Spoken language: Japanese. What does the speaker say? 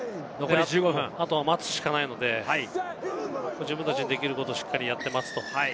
あとは待つしかないので、自分たちにできることをしっかりやって待つ。